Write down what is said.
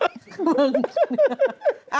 มึง